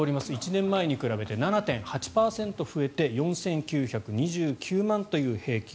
１年前に比べて７．８％増えて４９２９万円という平均。